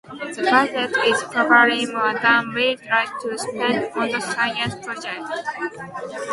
The budget is probably more than we'd like to spend on a science project.